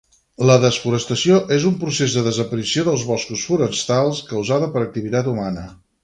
La desforestació és un procés de desaparició dels boscos forestals causada per activitat humana